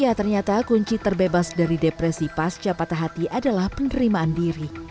ya ternyata kunci terbebas dari depresi pasca patah hati adalah penerimaan diri